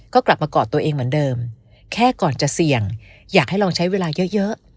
ก็กลับมากอดตัวเองเหมือนเดิมแค่ก่อนจะเสี่ยงอยากให้ลองใช้เวลาเยอะ